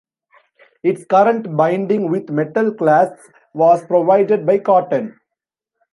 Its current binding, with metal clasps, was provided by Cotton.